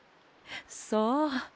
そう。